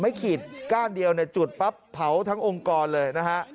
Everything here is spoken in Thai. ขีดก้านเดียวเนี่ยจุดปั๊บเผาทั้งองค์กรเลยนะฮะ